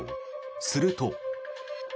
すると。